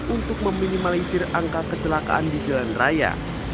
untuk meminimalisir angka kecelakaan di jalan raya